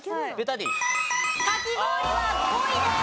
かき氷は５位です。